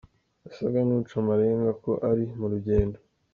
Yasaga n’uca amarenga ko ari mu rugendo.